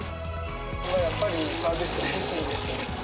やっぱりサービス精神です。